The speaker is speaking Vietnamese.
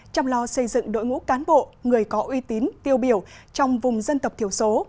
chăm lo xây dựng đội ngũ cán bộ người có uy tín tiêu biểu trong vùng dân tộc thiểu số